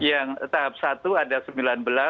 yang tahap satu ada sembilan belas